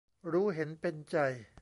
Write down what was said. รู้เห็นเป็นใจ